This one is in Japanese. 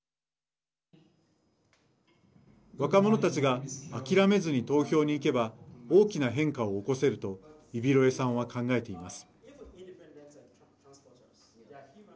若者たちが諦めずに投票に行けば大きな変化を起こせるとイビロエさんは考えています。